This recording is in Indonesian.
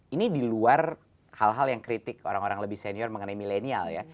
ini di luar hal hal yang kritik orang orang lebih senior mengenai milenial ya